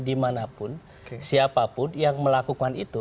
dimanapun siapapun yang melakukan itu